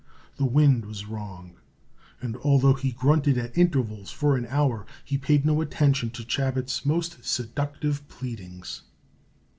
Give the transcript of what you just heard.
The wind was wrong, and, although he grunted at intervals for an hour, he paid no attention to Chabot's most seductive pleadings.